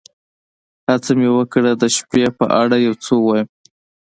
هڅه مې وکړه د شپې په اړه یو څه ووایم.